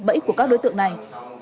bẫy của các đối tượng này